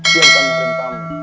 biar kamu berdua